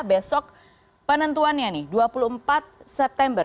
besok penentuannya nih dua puluh empat september